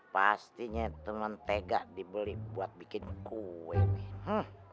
pestinya itu mentega dibeli buat bikin kue nih